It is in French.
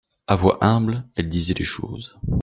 A voix humble, elle disait les choses.